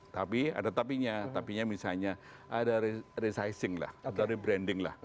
tapi ada tapi nya tapi misalnya ada resizing lah dari branding lah